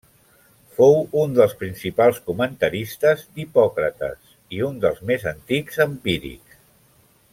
Fou un dels principals comentaristes d'Hipòcrates i un dels més antics empírics.